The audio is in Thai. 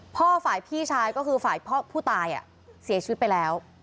ฝ่ายพี่ชายก็คือฝ่ายผู้ตายเสียชีวิตไปแล้ว